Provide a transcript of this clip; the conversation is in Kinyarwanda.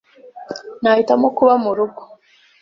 Nahitamo kuba murugo.